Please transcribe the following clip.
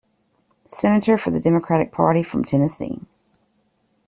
Senator for the Democratic Party from Tennessee.